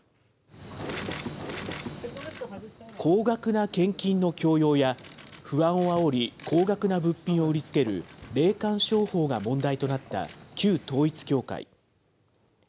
高額な献金の強要や、不安をあおり、高額な物品を売りつける霊感商法が問題となった旧統一教会。